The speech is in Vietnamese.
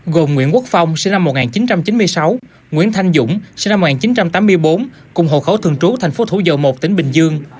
gồm nguyễn quốc phong sinh năm một nghìn chín trăm chín mươi sáu nguyễn thanh dũng sinh năm một nghìn chín trăm tám mươi bốn cùng hồ khẩu thường trú thành phố thủ dầu một tỉnh bình dương